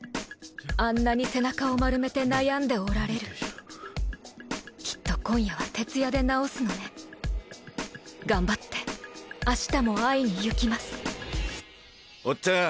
あんなに背中を丸めて悩んでおられるきっと今夜は徹夜で直すのね頑張って明日も会いにゆきますおっちゃん